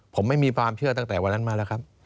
ผมไม่มีความเชื่อตั้งแต่วันนั้นมาแล้วครับ